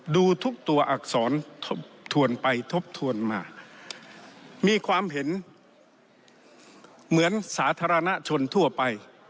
ดูทุกตัวอักษรทบทวนไปทบทวนมามีความเห็นเหมือนสาธารณชนทั่วไป